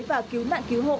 và cứu nạn cứu hộ